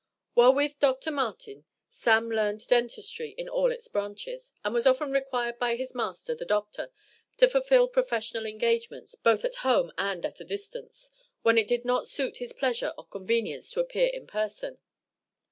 While with Dr. Martin, "Sam" learned dentistry in all its branches, and was often required by his master, the doctor, to fulfil professional engagements, both at home and at a distance, when it did not suit his pleasure or convenience to appear in person.